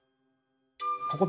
ここでね